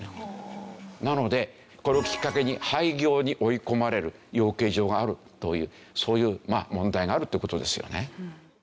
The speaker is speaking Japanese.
なのでこれをきっかけに廃業に追い込まれる養鶏場があるというそういう問題があるって事ですよね。